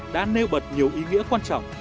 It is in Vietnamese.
đã nêu bật nhiều ý nghĩa quan trọng